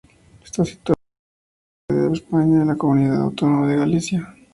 Está situado en el noroeste de España, en la comunidad autónoma de Galicia.